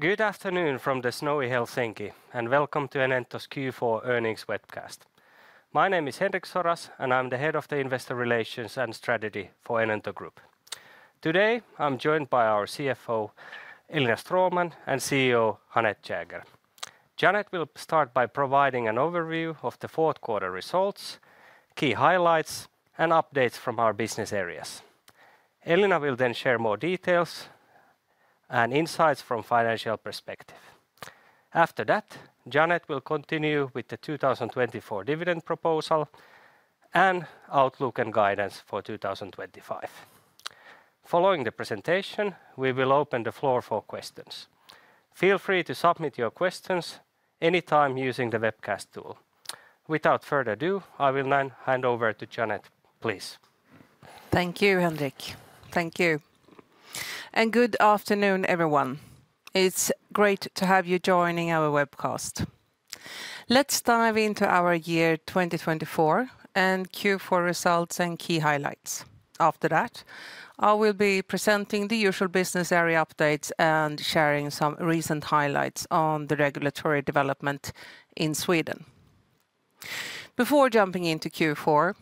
Good afternoon from the snowy Helsinki, and welcome to Enento's Q4 Earnings Webcast. My name is Henrik Soras, and I'm the Head of the Investor Relations and Strategy for Enento Group. Today, I'm joined by our CFO, Elina Stråhlman, and CEO, Jeanette Jäger. Jeanette will start by providing an overview of the fourth quarter results, key highlights, and updates from our business areas. Elina will then share more details and insights from a financial perspective. After that, Jeanette will continue with the 2024 dividend proposal and outlook and guidance for 2025. Following the presentation, we will open the floor for questions. Feel free to submit your questions anytime using the webcast tool. Without further ado, I will now hand over to Jeanette, please. Thank you, Henrik. Thank you. And good afternoon, everyone. It's great to have you joining our webcast. Let's dive into our year 2024 and Q4 results and key highlights. After that, I will be presenting the usual business area updates and sharing some recent highlights on the regulatory development in Sweden. Before jumping into Q4,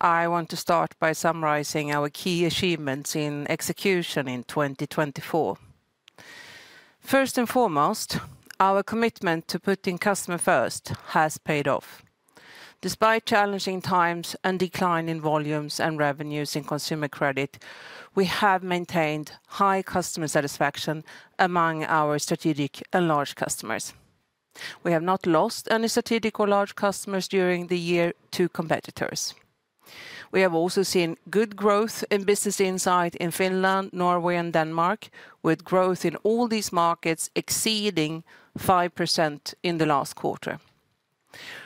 I want to start by summarizing our key achievements in execution in 2024. First and foremost, our commitment to putting customer first has paid off. Despite challenging times and a decline in volumes and revenues Consumer Credit, we have maintained high customer satisfaction among our strategic and large customers. We have not lost any strategic or large customers during the year to competitors. We have also seen good growth in Business Insight in Finland, Norway, and Denmark, with growth in all these markets exceeding 5% in the last quarter.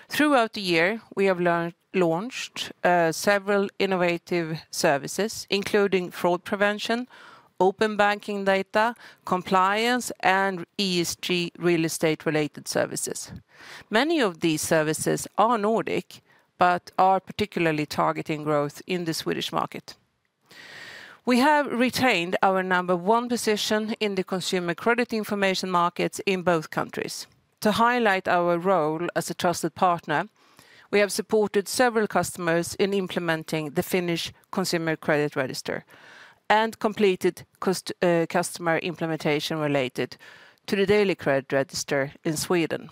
Throughout the year, we have launched several innovative services, including fraud open banking data, compliance, and ESG real estate-related services. Many of these services are Nordic but are particularly targeting growth in the Swedish market. We have retained our number one position Consumer Credit information markets in both countries. To highlight our role as a trusted partner, we have supported several customers in implementing the Consumer Credit register and completed customer implementation related to the daily credit register in Sweden.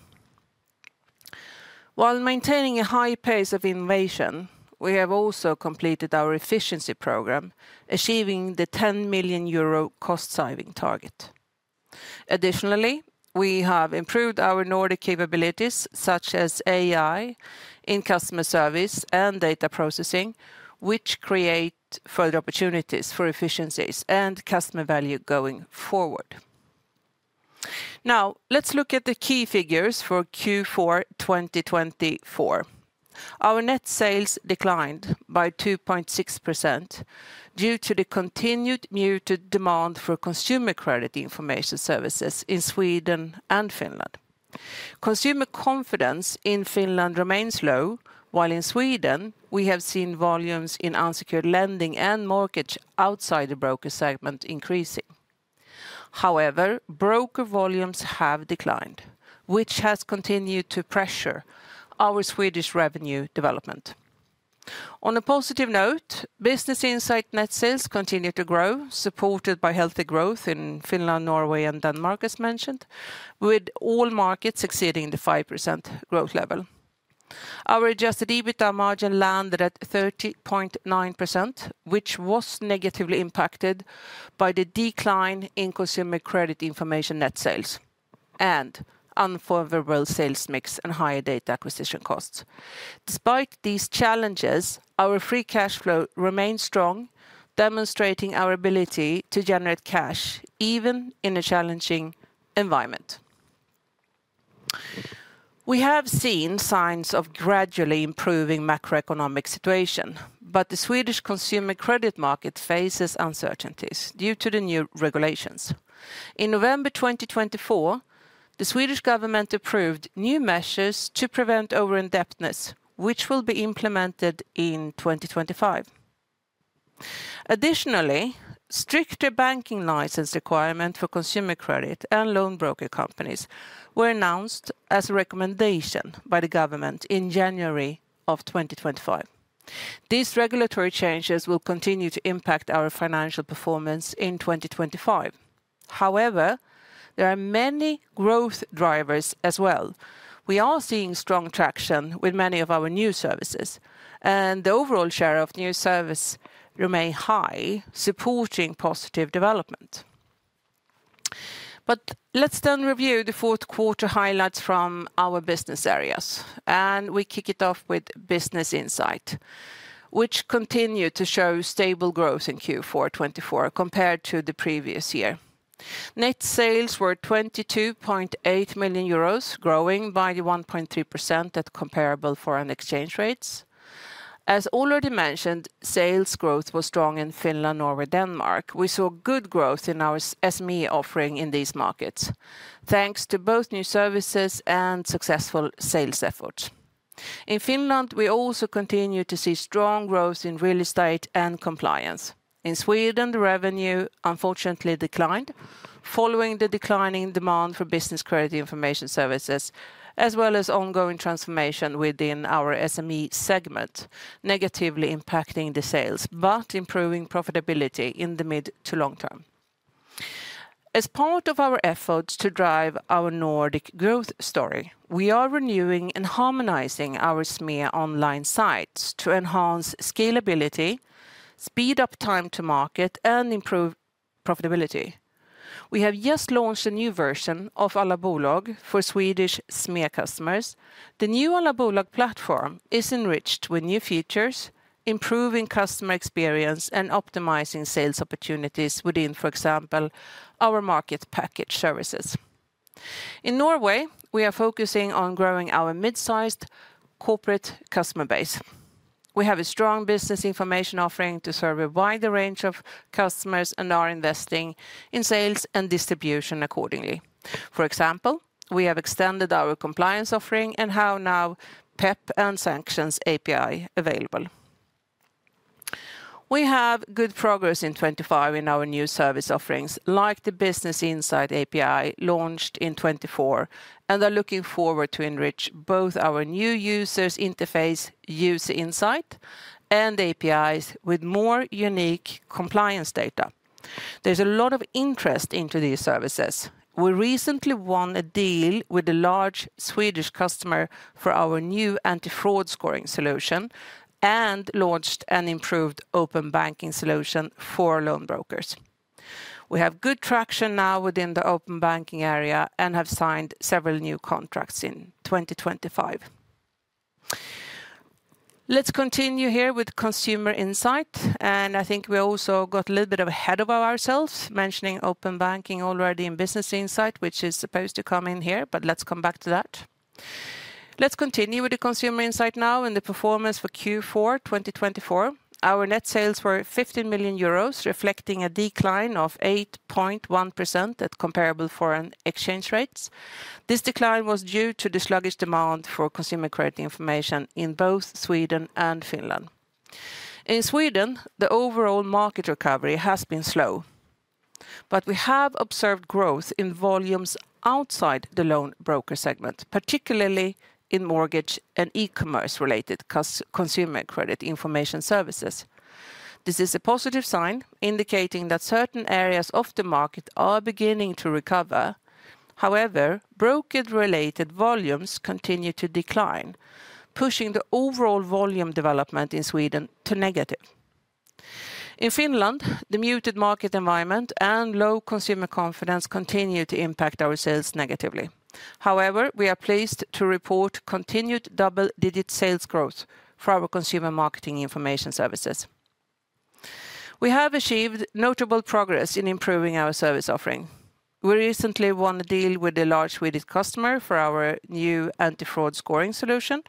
While maintaining a high pace of innovation, we have also completed our efficiency program, achieving the 10 million euro cost saving target. Additionally, we have improved our Nordic capabilities, such as AI in customer service and data processing, which create further opportunities for efficiencies and customer value going forward. Now, let's look at the key figures for Q4 2024. Our net sales declined by 2.6% due to the continued muted Consumer Credit information services in Sweden and Finland. Consumer confidence in Finland remains low, while in Sweden, we have seen volumes in unsecured lending and mortgage outside the broker segment increasing. However, broker volumes have declined, which has continued to pressure our Swedish revenue development. On a positive note, Business Insight net sales continue to grow, supported by healthy growth in Finland, Norway, and Denmark, as mentioned, with all markets exceeding the 5% growth level. Our Adjusted EBITDA margin landed at 30.9%, which was negatively impacted by the Consumer Credit information net sales and unfavorable sales mix and higher data acquisition costs. Despite these free cash flow remains strong, demonstrating our ability to generate cash even in a challenging environment. We have seen signs of gradually improving macroeconomic situation, but the Consumer Credit market faces uncertainties due to the new regulations. In November 2024, the Swedish government approved new measures to prevent over-indebtedness, which will be implemented in 2025. Additionally, stricter banking license requirements Consumer Credit and loan broker companies were announced as a recommendation by the government in January of 2025. These regulatory changes will continue to impact our financial performance in 2025. However, there are many growth drivers as well. We are seeing strong traction with many of our new services, and the overall share of new service remains high, supporting positive development. But let's then review the fourth quarter highlights from our business areas, and we kick it off with Business Insight, which continues to show stable growth in Q4 2024 compared to the previous year. Net sales were 22.8 million euros, growing by 1.3% at comparable foreign exchange rates. As already mentioned, sales growth was strong in Finland, Norway, and Denmark. We saw good growth in our SME offering in these markets, thanks to both new services and successful sales efforts. In Finland, we also continue to see strong growth in real estate and compliance. In Sweden, the revenue unfortunately declined following the declining demand for business credit information services, as well as ongoing transformation within our SME segment, negatively impacting the sales but improving profitability in the mid to long term. As part of our efforts to drive our Nordic growth story, we are renewing and harmonizing our SME online sites to enhance scalability, speed up time to market, and improve profitability. We have just launched a new version of Allabolag for Swedish SME customers. The new Allabolag platform is enriched with new features, improving customer experience and optimizing sales opportunities within, for example, our market package services. In Norway, we are focusing on growing our mid-sized corporate customer base. We have a strong business information offering to serve a wider range of customers and are investing in sales and distribution accordingly. For example, we have extended our compliance offering and have now PEP and sanctions API available. We have good progress in 2025 in our new service offerings, like the Business Insight API launched in 2024, and are looking forward to enrich both our new users' interface, User Insight, and APIs with more unique compliance data. There's a lot of interest in these services. We recently won a deal with a large Swedish customer for our new anti-fraud scoring solution and launched an open banking solution for loan brokers. We have good traction now within open banking area and have signed several new contracts in 2025. Let's continue here with Consumer Insight, and I think we also got a little bit ahead of ourselves, open banking already in Business Insight, which is supposed to come in here, but let's come back to that. Let's continue with the Consumer Insight now and the performance for Q4 2024. Our net sales were 15 million euros, reflecting a decline of 8.1% at comparable foreign exchange rates. This decline was due to the sluggish Consumer Credit information in both Sweden and Finland. In Sweden, the overall market recovery has been slow, but we have observed growth in volumes outside the loan broker segment, particularly in mortgage and Consumer Credit information services. this is a positive sign indicating that certain areas of the market are beginning to recover. However, broker related volumes continue to decline, pushing the overall volume development in Sweden to negative. In Finland, the muted market environment and low consumer confidence continue to impact our sales negatively. However, we are pleased to report continued double-digit sales growth for our Consumer Marketing Information services. We have achieved notable progress in improving our service offering. We recently won a deal with a large Swedish customer for our new anti-fraud scoring solution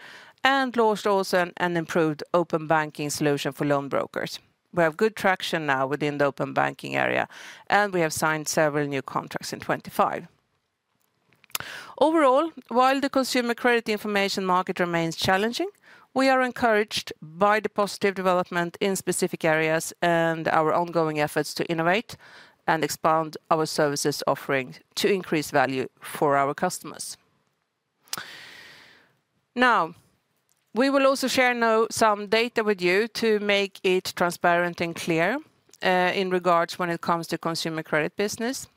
and launched also an open banking solution for loan brokers. We have good traction now within open banking area, and we have signed several new contracts in 2025. Overall, Consumer Credit information market remains challenging, we are encouraged by the positive development in specific areas and our ongoing efforts to innovate and expand our services offering to increase value for our customers. Now, we will also share some data with you to make it transparent and clear in regards when it comes Consumer Credit business.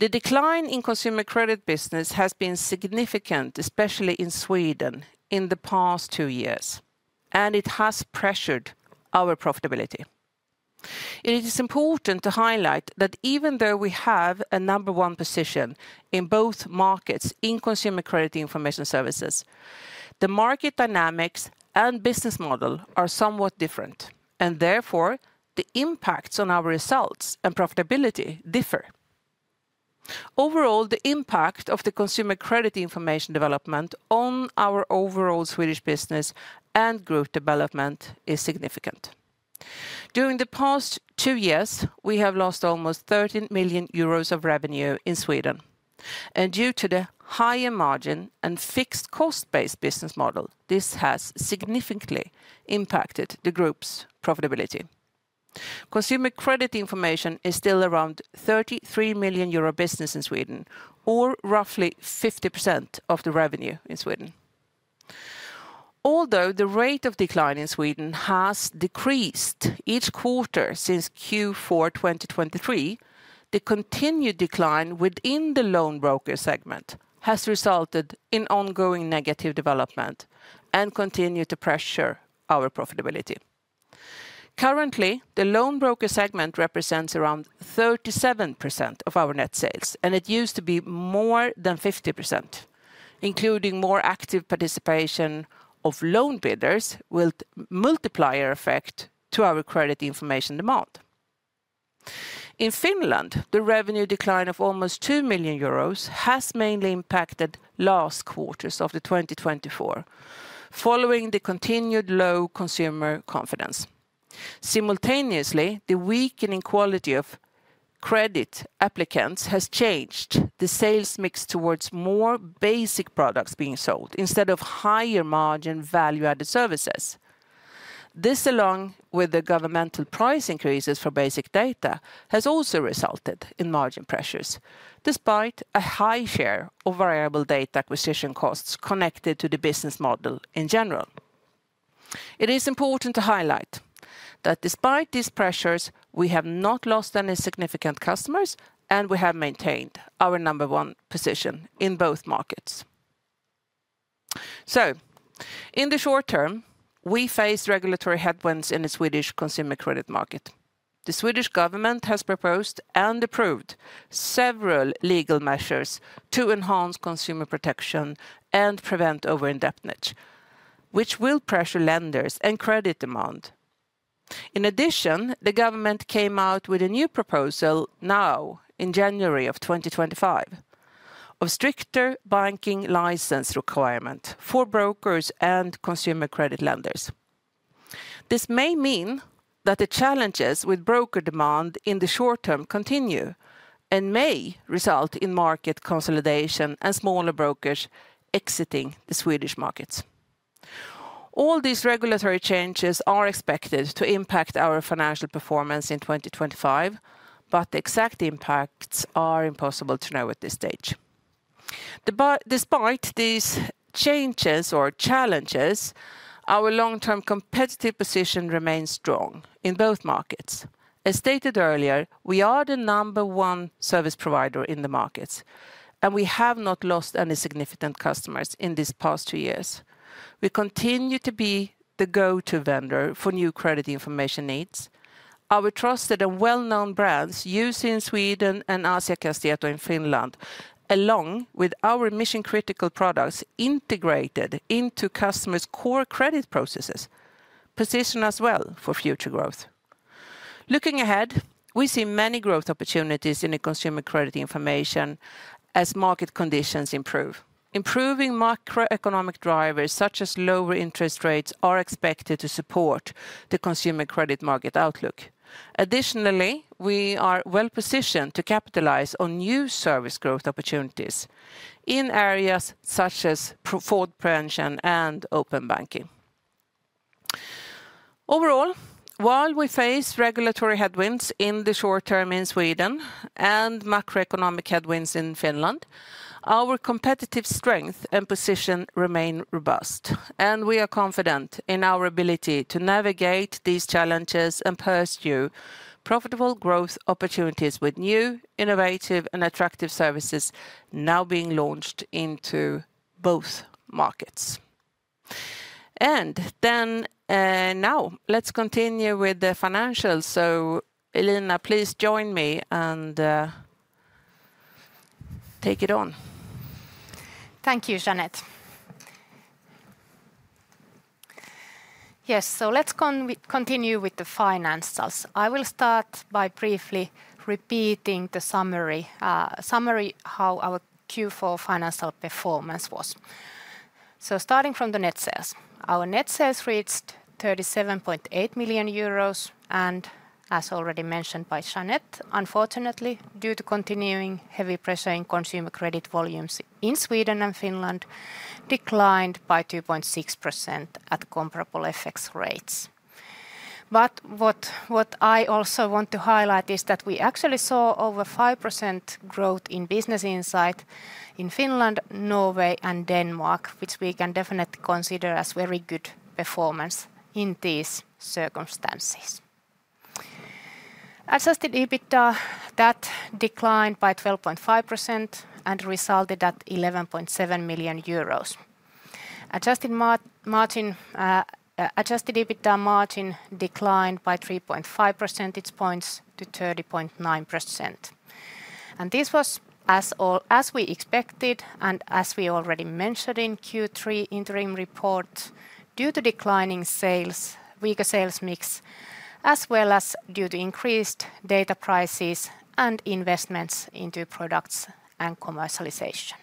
The decline Consumer Credit business has been significant, especially in Sweden, in the past two years, and it has pressured our profitability. It is important to highlight that even though we have a number one position in both Consumer Credit information services, the market dynamics and business model are somewhat different, and therefore the impacts on our results and profitability differ. Overall, the impact Consumer Credit information development on our overall Swedish business and growth development is significant. During the past two years, we have lost almost 13 million euros of revenue in Sweden, and due to the higher margin and fixed cost-based business model, this has significantly impacted the group's profitability. Consumer Credit information is still around 33 million euro business in Sweden, or roughly 50% of the revenue in Sweden. Although the rate of decline in Sweden has decreased each quarter since Q4 2023, the continued decline within the loan broker segment has resulted in ongoing negative development and continued to pressure our profitability. Currently, the loan broker segment represents around 37% of our net sales, and it used to be more than 50%, including more active participation of loan bidders with multiplier effect to our credit information demand. In Finland, the revenue decline of almost 2 million euros has mainly impacted last quarters of 2024, following the continued low consumer confidence. Simultaneously, the weakening quality of credit applicants has changed the sales mix towards more basic products being sold instead of higher margin value-added services. This, along with the governmental price increases for basic data, has also resulted in margin pressures, despite a high share of variable data acquisition costs connected to the business model in general. It is important to highlight that despite these pressures, we have not lost any significant customers, and we have maintained our number one position in both markets, so in the short term, we face regulatory headwinds in the Consumer Credit market. The Swedish government has proposed and approved several legal measures to enhance consumer protection and prevent over-indebtedness, which will pressure lenders and credit demand. In addition, the government came out with a new proposal now in January of 2025 of stricter banking license requirement for brokers Consumer Credit lenders. This may mean that the challenges with broker demand in the short term continue and may result in market consolidation and smaller brokers exiting the Swedish markets. All these regulatory changes are expected to impact our financial performance in 2025, but the exact impacts are impossible to know at this stage. Despite these changes or challenges, our long-term competitive position remains strong in both markets. As stated earlier, we are the number one service provider in the markets, and we have not lost any significant customers in these past two years. We continue to be the go-to vendor for new credit information needs. Our trusted and well-known brands used in Sweden and Asiakastieto in Finland, along with our mission-critical products integrated into customers' core credit processes, position us well for future growth. Looking ahead, we see many growth Consumer Credit information as market conditions improve. Improving macroeconomic drivers such as lower interest rates are expected to support Consumer Credit market outlook. Additionally, we are well positioned to capitalize on new service growth opportunities in areas such as fraud prevention open banking. Overall, while we face regulatory headwinds in the short term in Sweden and macroeconomic headwinds in Finland, our competitive strength and position remain robust, and we are confident in our ability to navigate these challenges and pursue profitable growth opportunities with new, innovative, and attractive services now being launched into both markets. And then now, let's continue with the financials. So, Elina, please join me and take it on. Thank you, Jeanette. Yes, so let's continue with the financials. I will start by briefly repeating the summary of how our Q4 financial performance was. So, starting from the net sales, our net sales reached 37.8 million euros, and as already mentioned by Jeanette, unfortunately, due to continuing heavy pressure Consumer Credit volumes in Sweden and Finland, declined by 2.6% at comparable FX rates. But what I also want to highlight is that we actually saw over 5% growth in Business Insight in Finland, Norway, and Denmark, which we can definitely consider as very good performance in these circumstances. Adjusted EBITDA declined by 12.5% and resulted at 11.7 million euros. Adjusted EBITDA margin declined by 3.5 percentage points to 30.9%. And this was as we expected and as we already mentioned in Q3 interim report, due to declining sales, weaker sales mix, as well as due to increased data prices and investments into products and commercialization.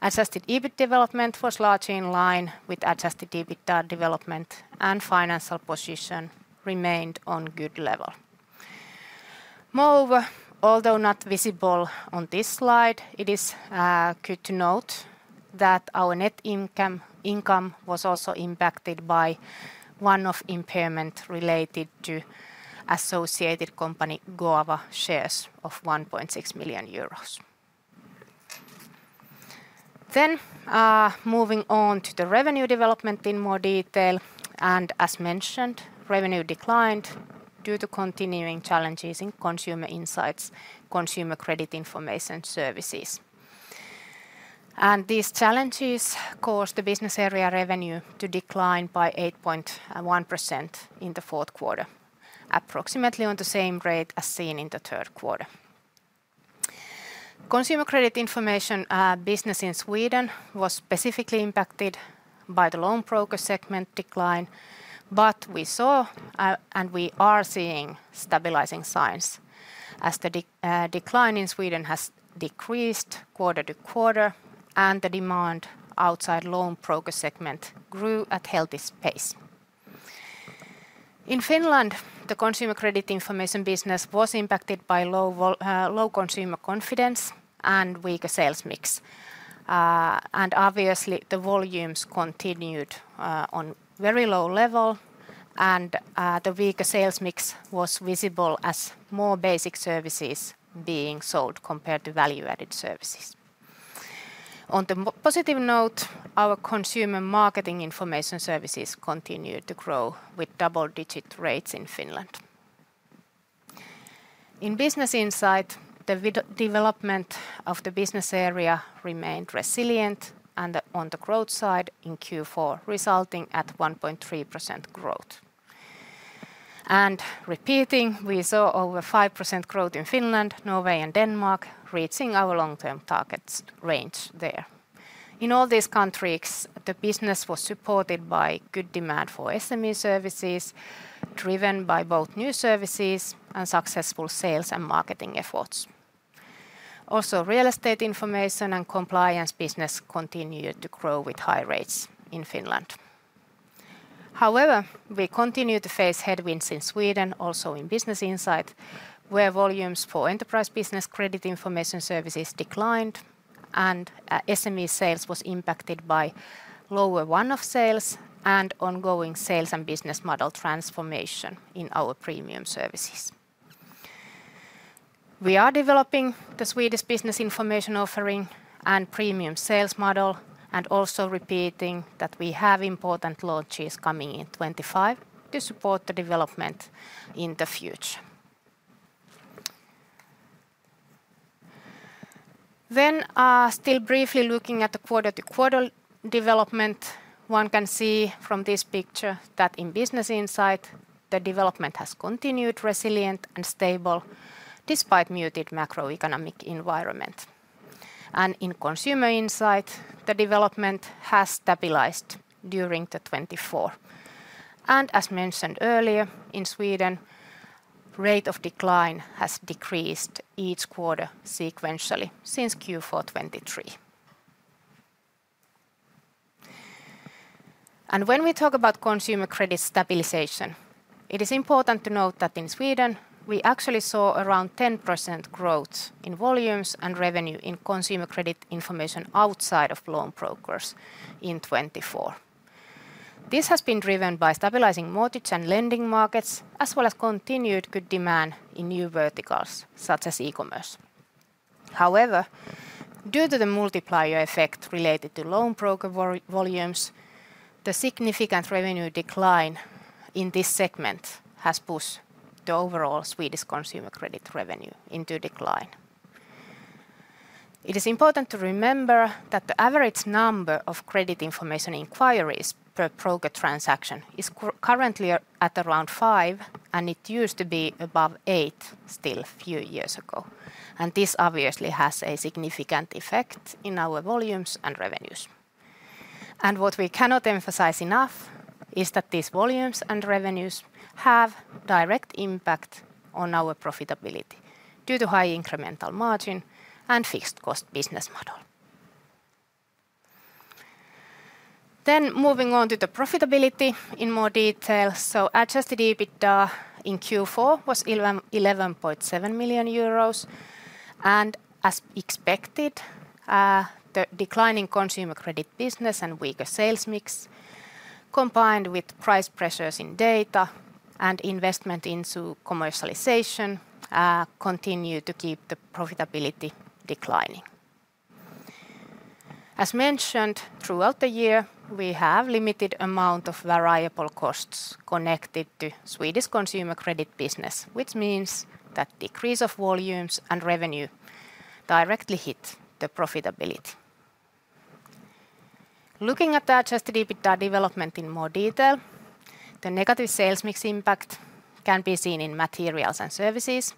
Adjusted EBIT development was largely in line with Adjusted EBITDA development, and financial position remained on good level. Moreover, although not visible on this slide, it is good to note that our net income was also impacted by one-off impairments related to associated company Goava shares of 1.6 million euros. Then, moving on to the revenue development in more detail, and as mentioned, revenue declined due to continuing challenges Consumer Credit information services. and these challenges caused the business area revenue to decline by 8.1% in the fourth quarter, approximately on the same rate as seen in the Consumer Credit information business in Sweden was specifically impacted by the loan broker segment decline, but we saw and we are seeing stabilizing signs as the decline in Sweden has decreased quarter to quarter, and the demand outside loan broker segment grew at healthy pace. In Consumer Credit information business was impacted by low consumer confidence and weaker sales mix. Obviously, the volumes continued on very low level, and the weaker sales mix was visible as more basic services being sold compared to value-added services. On the positive note, our Consumer Marketing Information services continued to grow with double-digit rates in Finland. In Business Insight, the development of the business area remained resilient and on the growth side in Q4, resulting at 1.3% growth. Repeating, we saw over 5% growth in Finland, Norway, and Denmark, reaching our long-term target range there. In all these countries, the business was supported by good demand for SME services, driven by both new services and successful sales and marketing efforts. Also, Real Estate Information and Compliance business continued to grow with high rates in Finland. However, we continue to face headwinds in Sweden, also in Business Insight, where volumes for Enterprise Business Credit Information services declined and SME sales was impacted by lower one-off sales and ongoing sales and business model transformation in our premium services. We are developing the Swedish business information offering and premium sales model, and also repeating that we have important launches coming in 2025 to support the development in the future. Then, still briefly looking at the quarter to quarter development, one can see from this picture that in Business Insight, the development has continued resilient and stable despite muted macroeconomic environment. And in Consumer Insight, the development has stabilized during the 2024. And as mentioned earlier, in Sweden, the rate of decline has decreased each quarter sequentially since Q4 2023. When we talk Consumer Credit stabilization, it is important to note that in Sweden, we actually saw around 10% growth in volumes and Consumer Credit information outside of loan brokers in 2024. This has been driven by stabilizing mortgage and lending markets, as well as continued good demand in new verticals such as e-commerce. However, due to the multiplier effect related to loan broker volumes, the significant revenue decline in this segment has pushed the overall Consumer Credit revenue into decline. It is important to remember that the average number of credit information inquiries per broker transaction is currently at around five, and it used to be above eight still a few years ago. This obviously has a significant effect in our volumes and revenues. What we cannot emphasize enough is that these volumes and revenues have a direct impact on our profitability due to high incremental margin and fixed cost business model. Moving on to the profitability in more detail, so Adjusted EBITDA in Q4 was 11.7 million euros. As expected, the Consumer Credit business and weaker sales mix, combined with price pressures in data and investment into commercialization, continue to keep the profitability declining. As mentioned, throughout the year, we have a limited amount of variable costs connected to Consumer Credit business, which means that the decrease of volumes and revenue directly hits the profitability. Looking at the Adjusted EBITDA development in more detail, the negative sales mix impact can be seen in materials and services,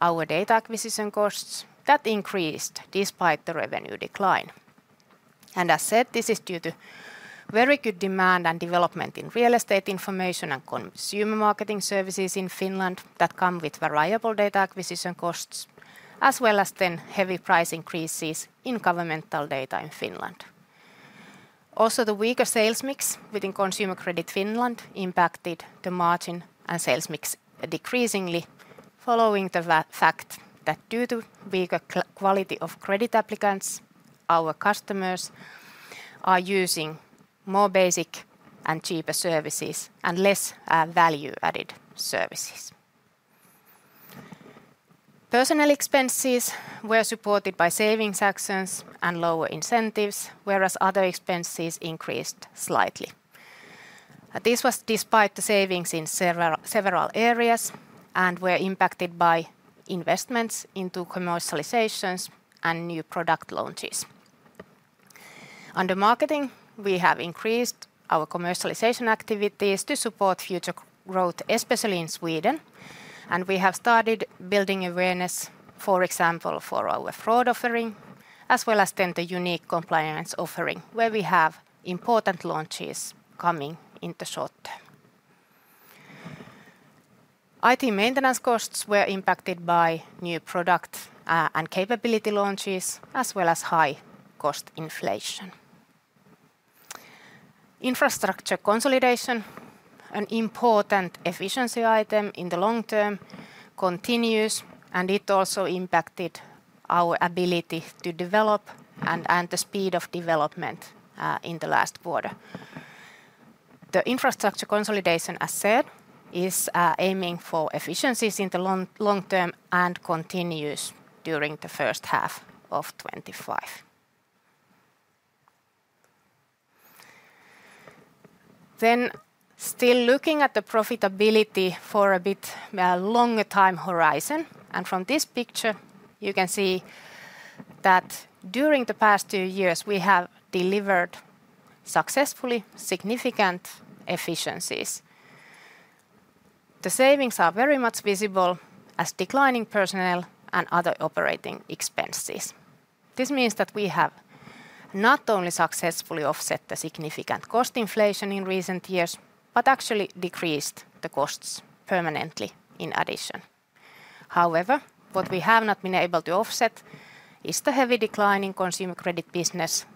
our data acquisition costs that increased despite the revenue decline. And as said, this is due to very good demand and development in Real Estate Information and Consumer Marketing services in Finland that come with variable data acquisition costs, as well as then heavy price increases in governmental data in Finland. Also, the weaker sales mix Consumer Credit Finland impacted the margin and sales mix decreasingly following the fact that due to weaker quality of credit applicants, our customers are using more basic and cheaper services and less value-added services. Personnel expenses were supported by savings actions and lower incentives, whereas other expenses increased slightly. This was despite the savings in several areas and were impacted by investments into commercializations and new product launches. Under marketing, we have increased our commercialization activities to support future growth, especially in Sweden. And we have started building awareness, for example, for our fraud offering, as well as then the unique compliance offering where we have important launches coming in the short term. IT maintenance costs were impacted by new product and capability launches, as well as high cost inflation. Infrastructure consolidation, an important efficiency item in the long term, continues, and it also impacted our ability to develop and the speed of development in the last quarter. The infrastructure consolidation, as said, is aiming for efficiencies in the long term and continues during the first half of 2025. Then, still looking at the profitability for a bit longer time horizon, and from this picture, you can see that during the past two years, we have delivered successfully significant efficiencies. The savings are very much visible as declining personnel and other operating expenses. This means that we have not only successfully offset the significant cost inflation in recent years, but actually decreased the costs permanently in addition. However, what we have not been able to offset is the heavy Consumer Credit business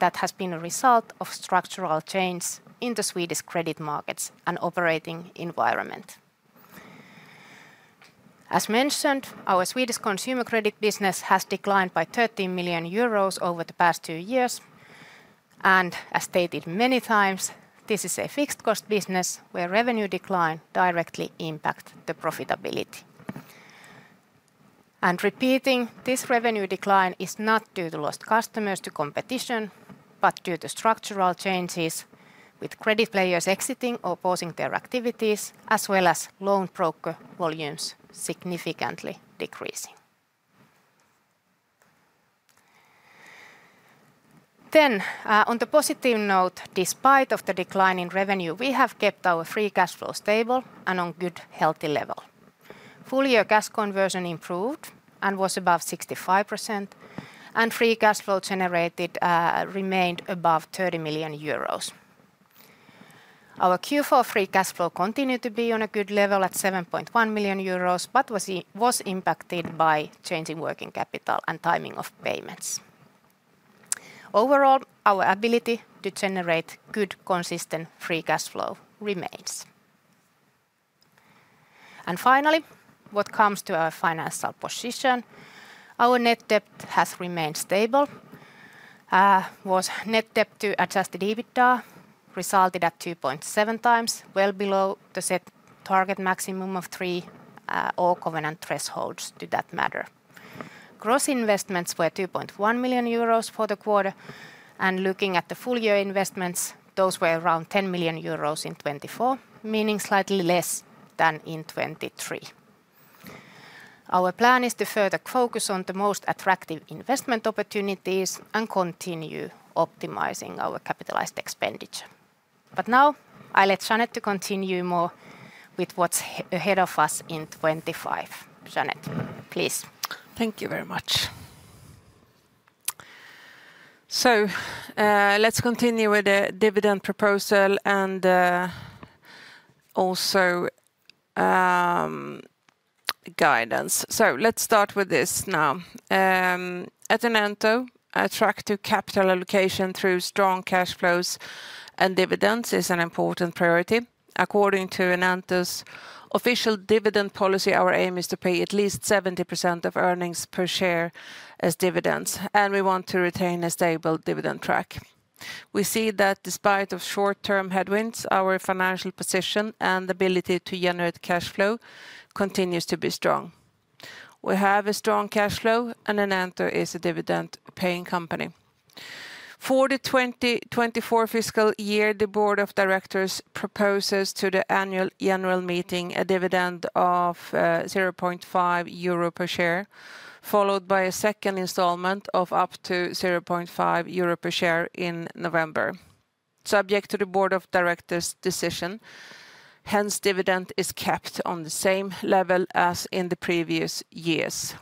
that has been a result of structural change in the Swedish credit markets and operating environment. As mentioned, our Consumer Credit business has declined by 13 million euros over the past two years. As stated many times, this is a fixed cost business where revenue decline directly impacts the profitability. Repeating, this revenue decline is not due to lost customers to competition, but due to structural changes with credit players exiting or pausing their activities, as well as loan broker volumes significantly decreasing. On the positive note, despite the decline in revenue, we have free cash flow stable and on good healthy level. Full-year cash conversion improved and was above free cash flow generated remained above 30 million euros. free cash flow continued to be on a good level at 7.1 million euros, but was impacted by changing working capital and timing of payments. Overall, our ability to generate free cash flow remains, and finally, what comes to our financial position, our net debt has remained stable. Net debt to Adjusted EBITDA resulted at 2.7 times, well below the set target maximum of three or covenant thresholds to that matter. Gross investments were 2.1 million euros for the quarter, and looking at the full-year investments, those were around 10 million euros in 2024, meaning slightly less than in 2023. Our plan is to further focus on the most attractive investment opportunities and continue optimizing our capital expenditure. But now I'll let Jeanette to continue more with what's ahead of us in 2025. Jeanette, please. Thank you very much. So let's continue with the dividend proposal and also guidance. So let's start with this now. At Enento, attracting capital allocation through strong cash flows and dividends is an important priority. According to Enento's official dividend policy, our aim is to pay at least 70% of earnings per share as dividends, and we want to retain a stable dividend track. We see that despite short-term headwinds, our financial position and ability to generate cash flow continues to be strong. We have a strong cash flow, and Enento is a dividend-paying company. For the 2024 fiscal year, the board of directors proposes to the annual general meeting a dividend of 0.5 euro per share, followed by a second installment of up to 0.5 euro per share in November, subject to the board of directors' decision. Hence, dividend is kept on the same level as in the previous years.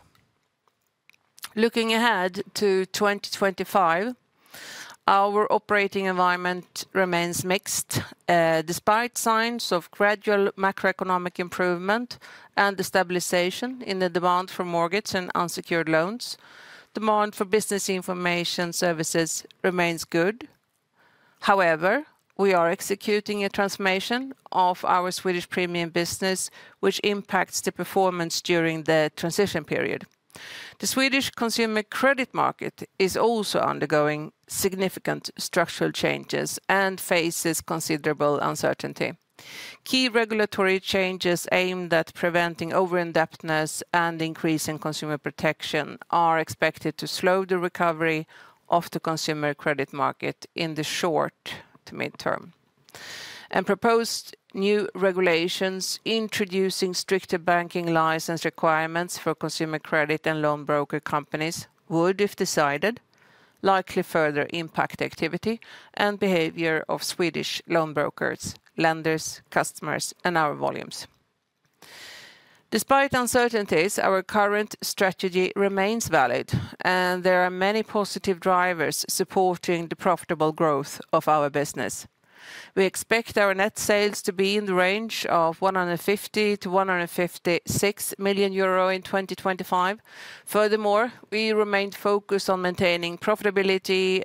Looking ahead to 2025, our operating environment remains mixed. Despite signs of gradual macroeconomic improvement and stabilization in the demand for mortgage and unsecured loans, demand for business information services remains good. However, we are executing a transformation of our Swedish premium business, which impacts the performance during the transition period. The Consumer Credit market is also undergoing significant structural changes and faces considerable uncertainty. Key regulatory changes aimed at preventing over-indebtedness and increasing consumer protection are expected to slow the recovery of Consumer Credit market in the short to midterm. Proposed new regulations introducing stricter banking license requirements Consumer Credit and loan broker companies would, if decided, likely further impact activity and behavior of Swedish loan brokers, lenders, customers, and our volumes. Despite uncertainties, our current strategy remains valid, and there are many positive drivers supporting the profitable growth of our business. We expect our net sales to be in the range of 150-156 million euro in 2025. Furthermore, we remain focused on maintaining profitability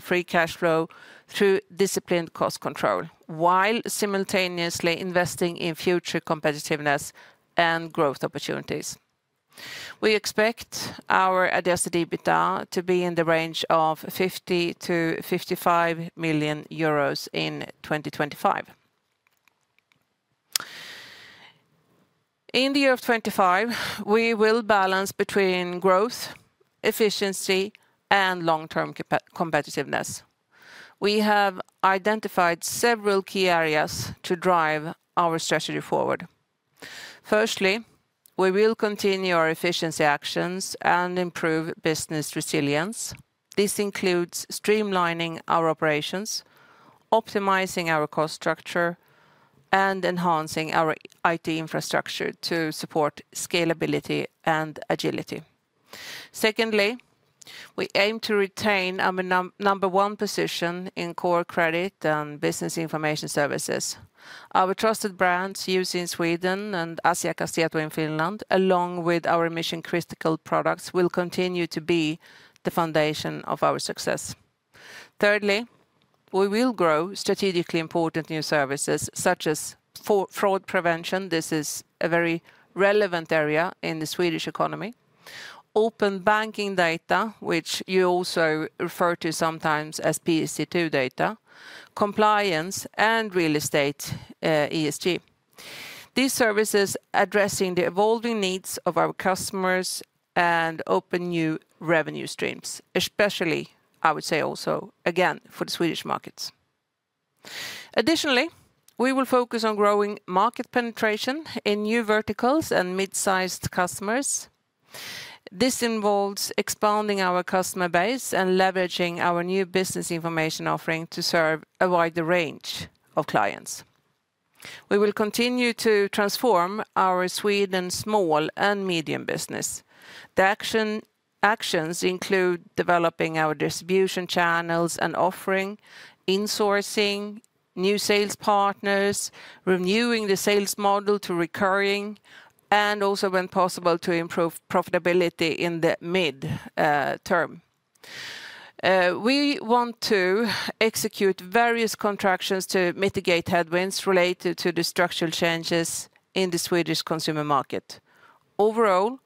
free cash flow through disciplined cost control, while simultaneously investing in future competitiveness and growth opportunities. We expect our Adjusted EBITDA to be in the range of 50-55 million euros in 2025. In the year of 2025, we will balance between growth, efficiency, and long-term competitiveness. We have identified several key areas to drive our strategy forward. Firstly, we will continue our efficiency actions and improve business resilience. This includes streamlining our operations, optimizing our cost structure, and enhancing our IT infrastructure to support scalability and agility. Secondly, we aim to retain our number one position in core credit and business information services. Our trusted brands used in Sweden and Asiakastieto in Finland, along with our mission-critical products, will continue to be the foundation of our success. Thirdly, we will grow strategically important new services such as fraud prevention. This is a very relevant area in the Swedish open banking data, which you also refer to sometimes as PSD2 data, compliance, and real estate ESG. These services address the evolving needs of our customers and open new revenue streams, especially, I would say also again, for the Swedish markets. Additionally, we will focus on growing market penetration in new verticals and mid-sized customers. This involves expanding our customer base and leveraging our new business information offering to serve a wider range of clients. We will continue to transform our Swedish small and medium business. The actions include developing our distribution channels and offering, insourcing, new sales partners, renewing the sales model to recurring, and also, when possible, to improve profitability in the medium term. We want to execute various actions to mitigate headwinds related to the structural changes in the Swedish consumer market. Overall,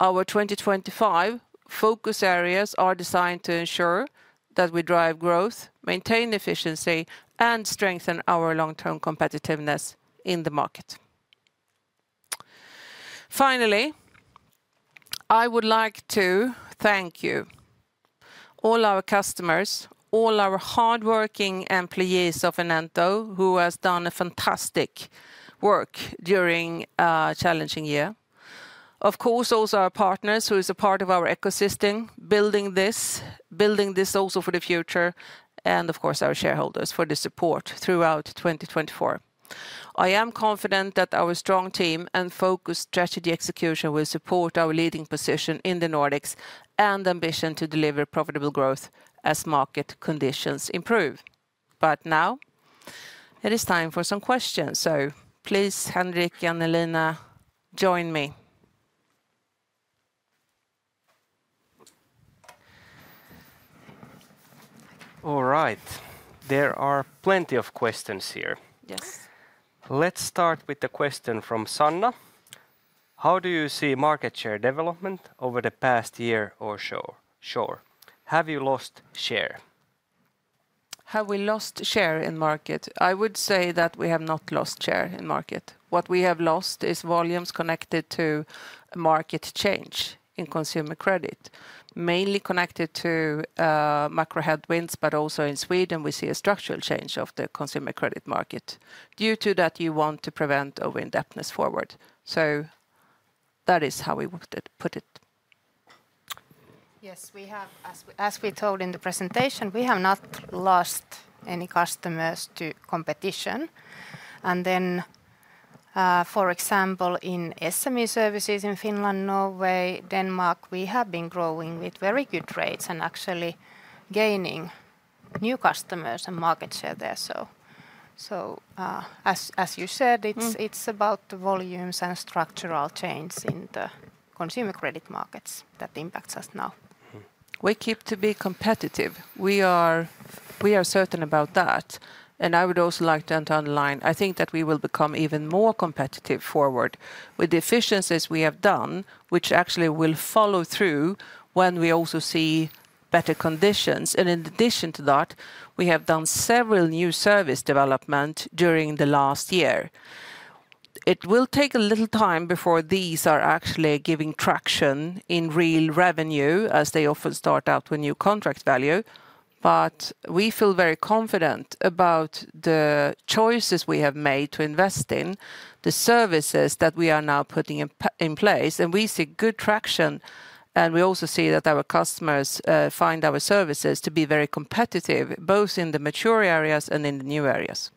our 2025 focus areas are designed to ensure that we drive growth, maintain efficiency, and strengthen our long-term competitiveness in the market. Finally, I would like to thank you, all our customers, all our hardworking employees of Enento, who have done a fantastic work during a challenging year. Of course, also our partners, who are a part of our ecosystem, building this also for the future, and of course, our shareholders for the support throughout 2024. I am confident that our strong team and focused strategy execution will support our leading position in the Nordics and ambition to deliver profitable growth as market conditions improve. But now, it is time for some questions. So please, Henrik and Elina, join me. All right. There are plenty of questions here. Yes. Let's start with the question from Sanna. How do you see market share development over the past year or so? Have you lost share? Have we lost share in market? I would say that we have not lost share in market. What we have lost is volumes connected to market change Consumer Credit, mainly connected to macro headwinds, but also in Sweden, we see a structural change of Consumer Credit market. Due to that, you want to prevent over-indebtedness forward, so that is how we would put it. Yes, we have, as we told in the presentation, we have not lost any customers to competition, and then, for example, in SME services in Finland, Norway, Denmark, we have been growing with very good rates and actually gaining new customers and market share there, so as you said, it's about the volumes and structural change in Consumer Credit markets that impacts us now. We keep to be competitive. We are certain about that. And I would also like to underline, I think that we will become even more competitive forward with the efficiencies we have done, which actually will follow through when we also see better conditions. And in addition to that, we have done several new service developments during the last year. It will take a little time before these are actually giving traction in real revenue, as they often start out with new contract value. But we feel very confident about the choices we have made to invest in the services that we are now putting in place. And we see good traction. And we also see that our customers find our services to be very competitive, both in the mature areas and in the new areas.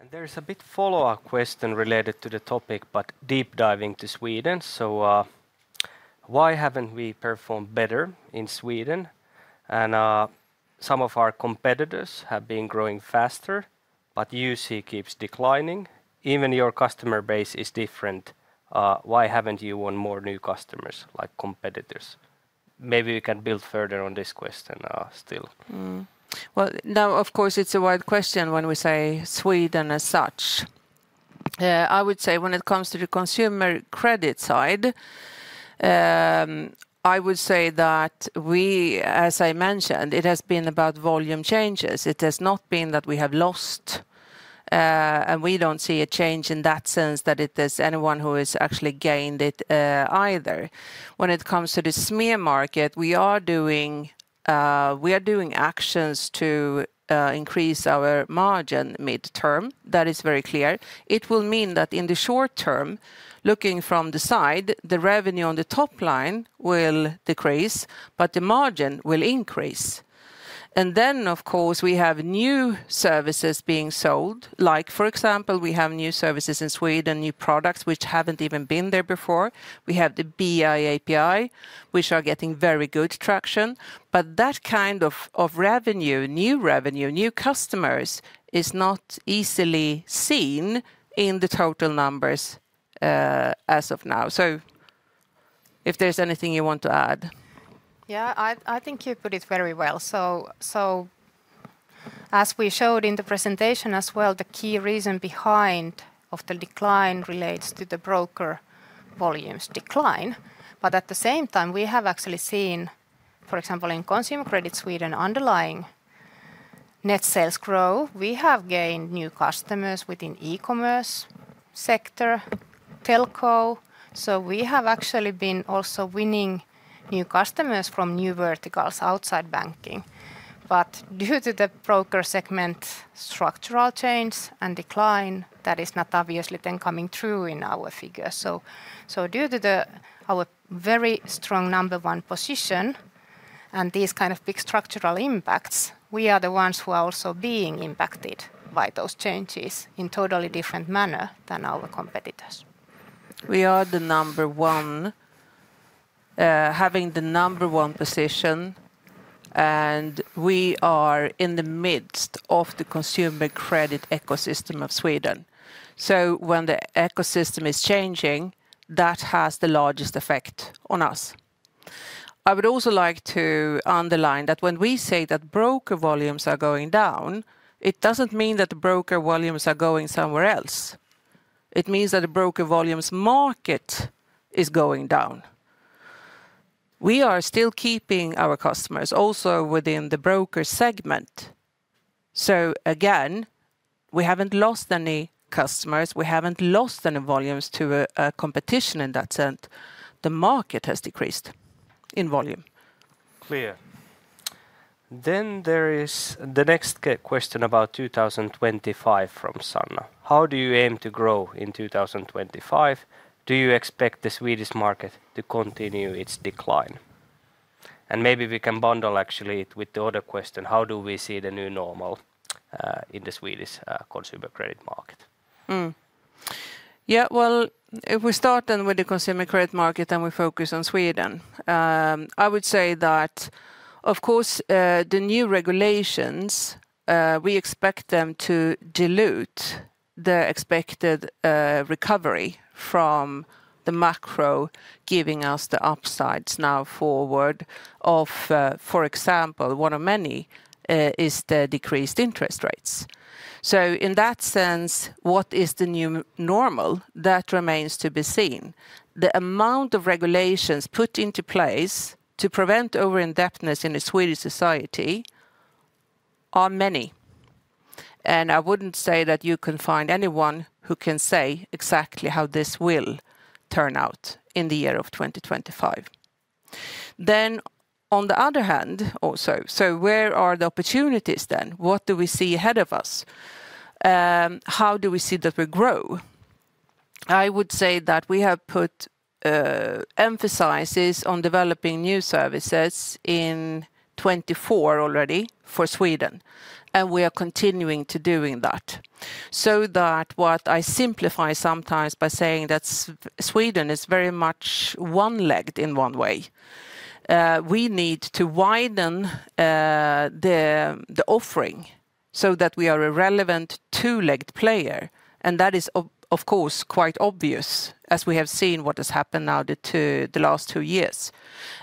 And there's a bit of a follow-up question related to the topic, but deep diving to Sweden. So why haven't we performed better in Sweden? And some of our competitors have been growing faster, but you see keeps declining. Even your customer base is different. Why haven't you won more new customers like competitors? Maybe we can build further on this question still. Well, now, of course, it's a wide question when we say Sweden as such. I would say when it comes to Consumer Credit side, I would say that we, as I mentioned, it has been about volume changes. It has not been that we have lost, and we don't see a change in that sense that it is anyone who has actually gained it either. When it comes to the SME market, we are doing actions to increase our margin midterm. That is very clear. It will mean that in the short term, looking from the side, the revenue on the top line will decrease, but the margin will increase. And then, of course, we have new services being sold. Like, for example, we have new services in Sweden, new products which haven't even been there before. We have the BI API, which are getting very good traction. But that kind of revenue, new revenue, new customers is not easily seen in the total numbers as of now. So if there's anything you want to add. Yeah, I think you put it very well. So as we showed in the presentation as well, the key reason behind the decline relates to the broker volumes decline. But at the same time, we have actually seen, for example, Consumer Credit Sweden, underlying net sales grow. We have gained new customers within the e-commerce sector, telco. So we have actually been also winning new customers from new verticals outside banking. But due to the broker segment structural change and decline, that is not obviously then coming through in our figures. So due to our very strong number one position and these kind of big structural impacts, we are the ones who are also being impacted by those changes in a totally different manner than our competitors. We are the number one, having the number one position, and we are in the midst of Consumer Credit ecosystem of Sweden. So when the ecosystem is changing, that has the largest effect on us. I would also like to underline that when we say that broker volumes are going down, it doesn't mean that the broker volumes are going somewhere else. It means that the broker volumes market is going down. We are still keeping our customers also within the broker segment. So again, we haven't lost any customers. We haven't lost any volumes to a competition in that sense. The market has decreased in volume. Clear. Then there is the next question about 2025 from Sanna. How do you aim to grow in 2025? Do you expect the Swedish market to continue its decline? And maybe we can bundle actually it with the other question. How do we see the new normal in the Consumer Credit market? Yeah, well, if we start then with Consumer Credit market and we focus on Sweden, I would say that, of course, the new regulations, we expect them to dilute the expected recovery from the macro giving us the upsides now forward of, for example, one of many is the decreased interest rates. So in that sense, what is the new normal? That remains to be seen. The amount of regulations put into place to prevent over-indebtedness in a Swedish society are many. And I wouldn't say that you can find anyone who can say exactly how this will turn out in the year of 2025. Then, on the other hand, also, so where are the opportunities then? What do we see ahead of us? How do we see that we grow? I would say that we have put emphases on developing new services in 2024 already for Sweden. And we are continuing to do that. So that what I simplify sometimes by saying that Sweden is very much one-legged in one way. We need to widen the offering so that we are a relevant two-legged player. And that is, of course, quite obvious as we have seen what has happened now the last two years.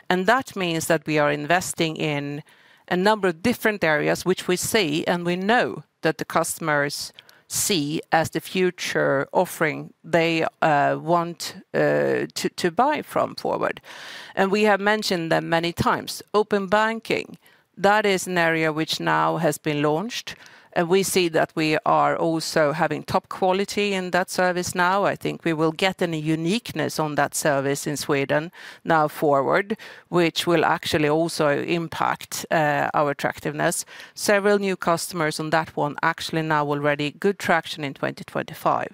That means that we are investing in a number of different areas which we see and we know that the customers see as the future offering they want to buy from forward. We have mentioned them many open banking, that is an area which now has been launched. We see that we are also having top quality in that service now. I think we will get any uniqueness on that service in Sweden now forward, which will actually also impact our attractiveness. Several new customers on that one actually now already good traction in 2025.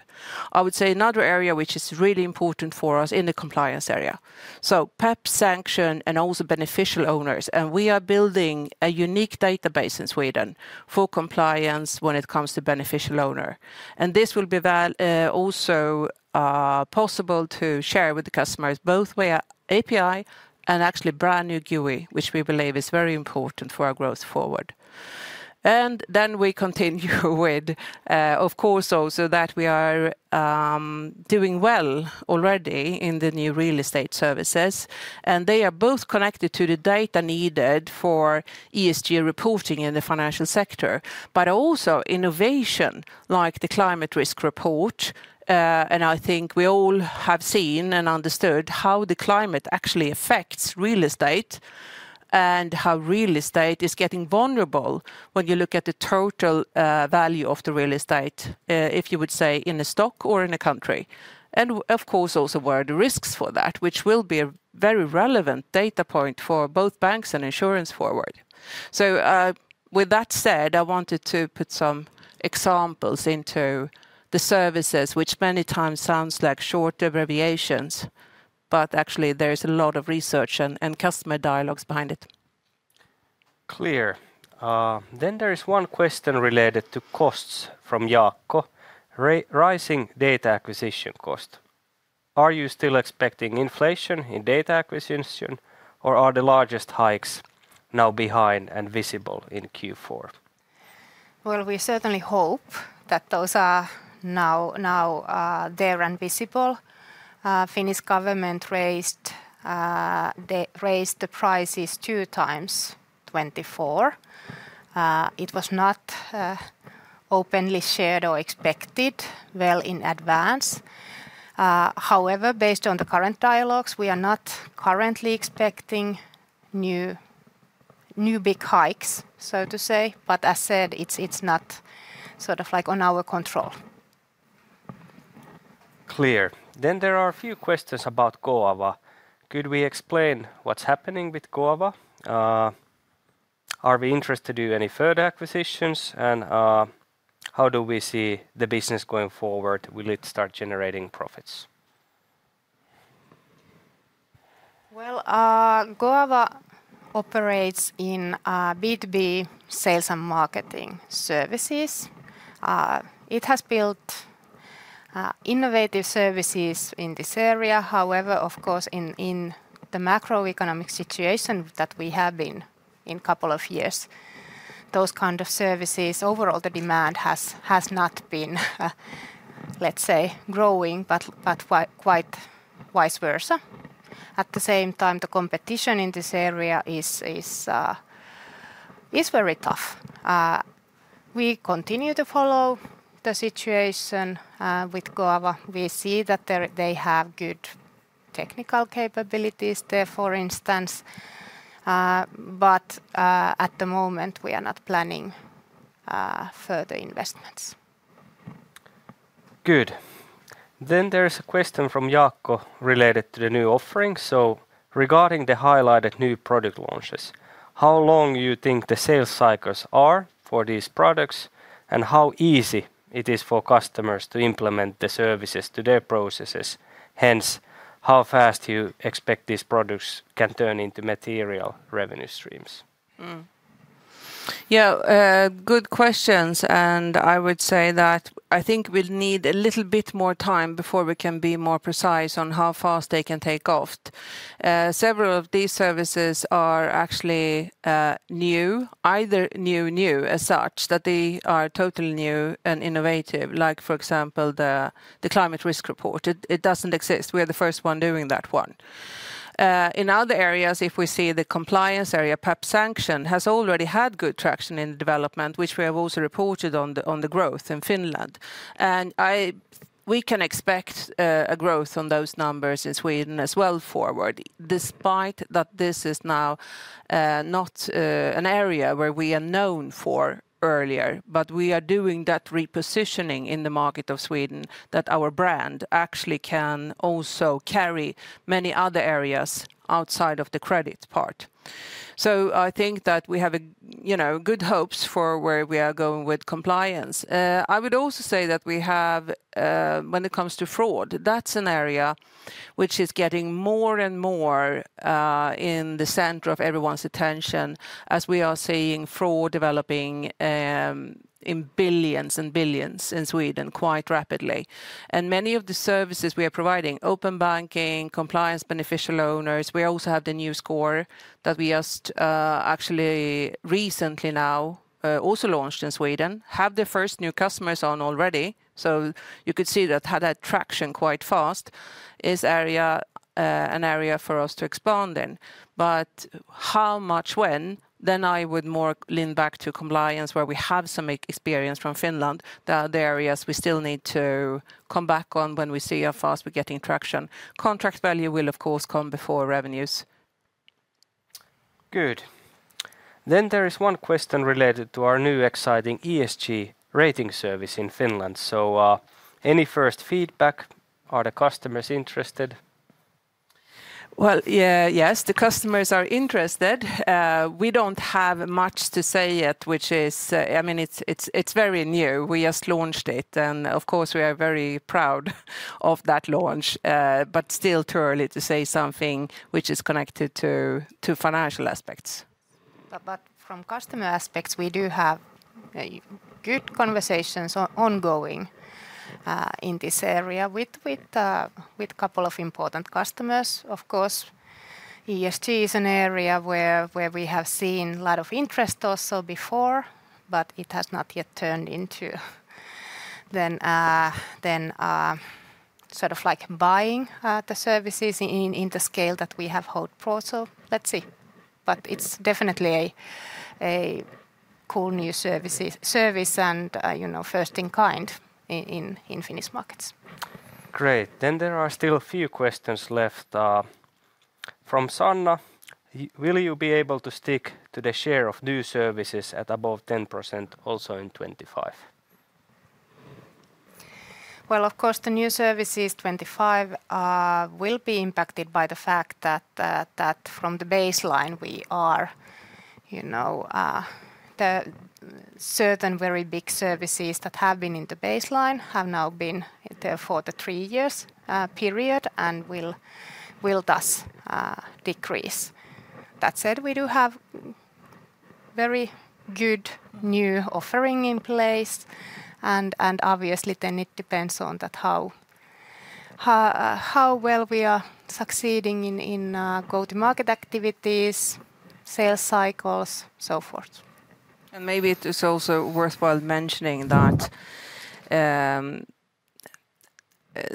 I would say another area which is really important for us in the compliance area. So PEP sanction and also beneficial owners. We are building a unique database in Sweden for compliance when it comes to beneficial owner. And this will be also possible to share with the customers both via API and actually brand new GUI, which we believe is very important for our growth forward. And then we continue with, of course, also that we are doing well already in the new real estate services. And they are both connected to the data needed for ESG reporting in the financial sector, but also innovation like the climate risk report. And I think we all have seen and understood how the climate actually affects real estate and how real estate is getting vulnerable when you look at the total value of the real estate, if you would say, in a stock or in a country. And of course, also where are the risks for that, which will be a very relevant data point for both banks and insurance forward. With that said, I wanted to put some examples into the services, which many times sounds like short abbreviations, but actually there is a lot of research and customer dialogues behind it. Clear. There is one question related to costs from Jaakko. Rising data acquisition cost. Are you still expecting inflation in data acquisition, or are the largest hikes now behind and visible in Q4? We certainly hope that those are now there and visible. The Finnish government raised the prices two times 2024. It was not openly shared or expected well in advance. However, based on the current dialogues, we are not currently expecting new big hikes, so to say. But as said, it's not sort of like on our control. Clear. There are a few questions about Goava. Could we explain what's happening with Goava? Are we interested in any further acquisitions? How do we see the business going forward? Will it start generating profits? Goava operates in B2B sales and marketing services. It has built innovative services in this area. However, of course, in the macroeconomic situation that we have been in a couple of years, those kind of services, overall, the demand has not been, let's say, growing, but quite vice versa. At the same time, the competition in this area is very tough. We continue to follow the situation with Goava. We see that they have good technical capabilities there, for instance. But at the moment, we are not planning further investments. Good. There is a question from Jaakko related to the new offering. Regarding the highlighted new product launches, how long do you think the sales cycles are for these products? How easy it is for customers to implement the services to their processes? Hence, how fast do you expect these products can turn into material revenue streams? Yeah, good questions. I would say that I think we'll need a little bit more time before we can be more precise on how fast they can take off. Several of these services are actually new, either new as such, that they are totally new and innovative, like for example, the climate risk report. It doesn't exist. We are the first one doing that one. In other areas, if we see the compliance area, PEP sanction has already had good traction in the development, which we have also reported on the growth in Finland. We can expect a growth on those numbers in Sweden as well forward, despite that this is now not an area where we are known for earlier, but we are doing that repositioning in the market of Sweden that our brand actually can also carry many other areas outside of the credit part. I think that we have good hopes for where we are going with compliance. I would also say that we have, when it comes to fraud, that's an area which is getting more and more in the center of everyone's attention as we are seeing fraud developing in billions and billions in Sweden quite rapidly. Many of the services we are open banking, compliance, beneficial owners, we also have the new score that we just actually recently now also launched in Sweden, have their first new customers on already. You could see that had that traction quite fast, which is an area for us to expand in. But how much, when? I would more lean back to compliance, where we have some experience from Finland. The other areas we still need to come back on when we see how fast we're getting traction. Contract value will, of course, come before revenues. Good. There is one question related to our new exciting ESG rating service in Finland. Any first feedback? Are the customers interested? Yes, the customers are interested. We don't have much to say yet, which is, I mean, it's very new. We just launched it. Of course, we are very proud of that launch, but still too early to say something which is connected to financial aspects. But from customer aspects, we do have good conversations ongoing in this area with a couple of important customers, of course. ESG is an area where we have seen a lot of interest also before, but it has not yet turned into then sort of like buying the services in the scale that we have hoped for. So let's see. But it's definitely a cool new service and first in kind in Finnish markets. Great. Then there are still a few questions left from Sanna. Will you be able to stick to the share of new services at above 10% also in 2025? Well, of course, the new services 2025 will be impacted by the fact that from the baseline we are certain very big services that have been in the baseline have now been there for the three years period and will thus decrease. That said, we do have very good new offering in place. And obviously, then it depends on how well we are succeeding in go-to-market activities, sales cycles, so forth. And maybe it is also worthwhile mentioning that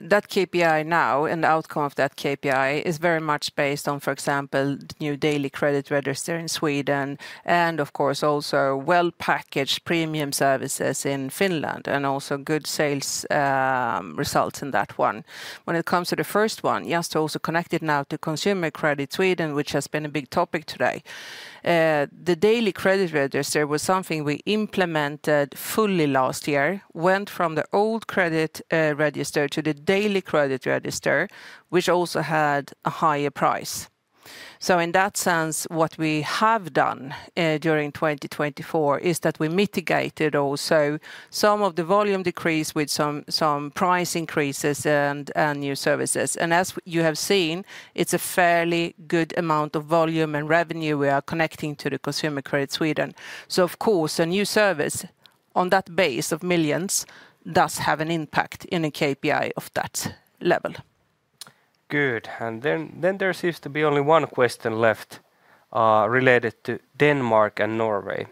that KPI now and the outcome of that KPI is very much based on, for example, the new daily credit register in Sweden and, of course, also well-packaged premium services in Finland and also good sales results in that one. When it comes to the first one, yes, also connected now Consumer Credit Sweden, which has been a big topic today. The daily credit register, it was something we implemented fully last year, went from the old credit register to the daily credit register, which also had a higher price. So in that sense, what we have done during 2024 is that we mitigated also some of the volume decrease with some price increases and new services. And as you have seen, it's a fairly good amount of volume and revenue we are connecting to Consumer Credit Sweden. So of course, a new service on that base of millions does have an impact in a KPI of that level. Good. And then there seems to be only one question left related to Denmark and Norway.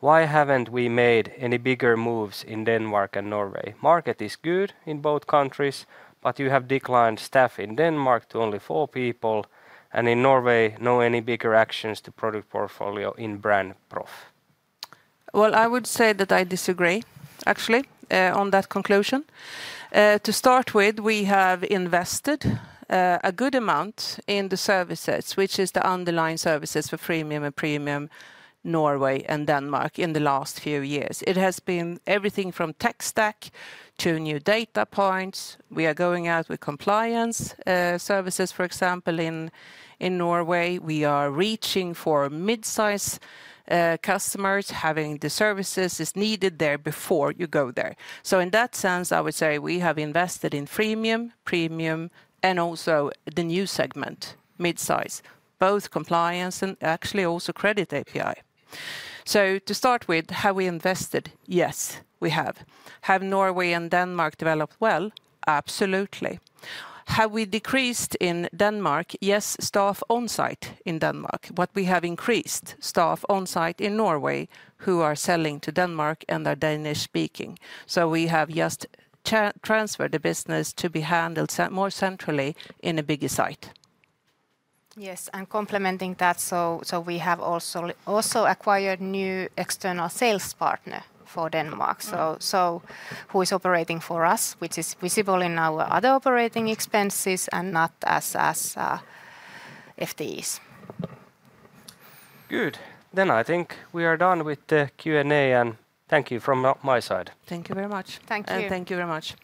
Why haven't we made any bigger moves in Denmark and Norway? Market is good in both countries, but you have declined staff in Denmark to only four people. And in Norway, no any bigger actions to product portfolio in Proff. Well, I would say that I disagree actually on that conclusion. To start with, we have invested a good amount in the services, which is the underlying services for freemium and premium Norway and Denmark in the last few years. It has been everything from tech stack to new data points. We are going out with compliance services, for example, in Norway. We are reaching for mid-size customers, having the services as needed there before you go there. In that sense, I would say we have invested in freemium, premium, and also the new segment, mid-size, both compliance and actually also credit API. To start with, have we invested? Yes, we have. Have Norway and Denmark developed well? Absolutely. Have we decreased in Denmark? Yes, staff on-site in Denmark. We have increased staff on-site in Norway who are selling to Denmark and are Danish-speaking. So, we have just transferred the business to be handled more centrally in a bigger site. Yes, and complementing that, so we have also acquired new external sales partner for Denmark, so who is operating for us, which is visible in our other operating expenses and not as FDEs. Good. Then, I think we are done with the Q&A, and thank you from my side. Thank you very much. Thank you. And thank you very much.